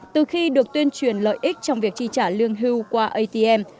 từ khi được tuyên truyền lợi ích trong việc chi trả lương hưu qua atm